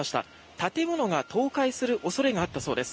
建物が倒壊する恐れがあったそうです。